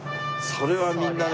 それはみんなね